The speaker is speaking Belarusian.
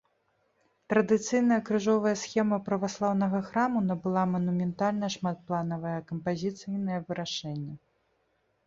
Традыцыйная крыжовая схема праваслаўнага храма набыла манументальнае шматпланавае кампазіцыйнае вырашэнне.